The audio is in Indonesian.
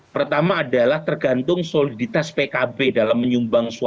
pertama adalah tergantung soliditas pkb dalam menyumbang suara